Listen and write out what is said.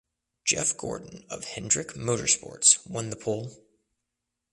Jeff Gordon of Hendrick Motorsports won the pole.